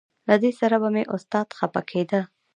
له دې سره به مې استاد خپه کېده.